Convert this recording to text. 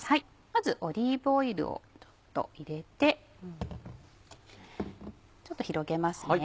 まずオリーブオイルをちょっと入れてちょっと広げますね。